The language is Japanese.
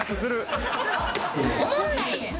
オモんないねん！